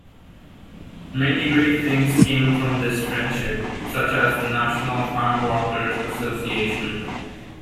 Many great things came from this friendship, such as the National Farm Workers Association.